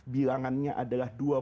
bilangannya adalah dua puluh